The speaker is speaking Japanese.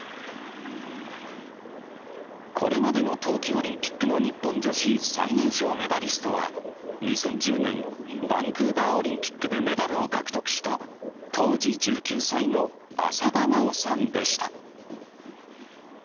これまでの冬季オリンピックの日本女子最年少メダリストは、２０１０年バンクーバーオリンピックでメダルを獲得した、当時１９歳の浅田真央さんでした。